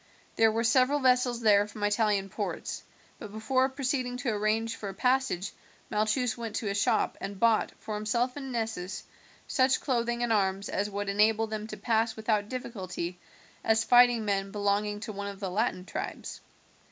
There were several vessels there from Italian ports, but before proceeding to arrange for a passage Malchus went to a shop and bought, for himself and Nessus, such clothing and arms as would enable them to pass without difficulty as fighting men belonging to one of the Latin tribes.